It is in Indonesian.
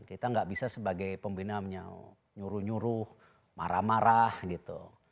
kita nggak bisa sebagai pembina nyuruh nyuruh marah marah gitu